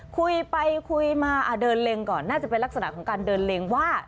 คุยไปคุยมาเดินเล็งก่อนน่าจะเป็นลักษณะของการเดินเล็งว่า